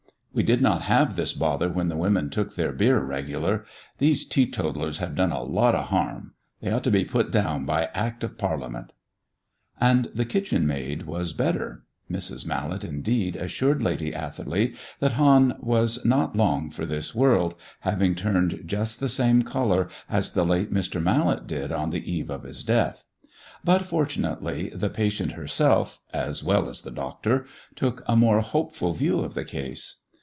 We did not have this bother when the women took their beer regular. These teetotallers have done a lot of harm. They ought to be put down by Act of Parliament." And the kitchen maid was better. Mrs. Mallet, indeed, assured Lady Atherley that Hann was not long for this world, having turned just the same colour as the late Mr. Mallet did on the eve of his death; but fortunately the patient herself, as well as the doctor, took a more hopeful view of the case.